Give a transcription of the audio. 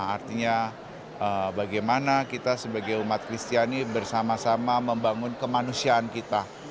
artinya bagaimana kita sebagai umat kristiani bersama sama membangun kemanusiaan kita